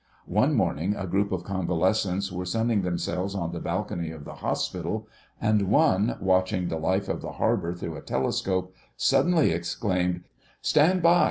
One morning a group of convalescents were sunning themselves on the balcony of the hospital, and one, watching the life of the harbour through a telescope, suddenly exclaimed, "Stand by!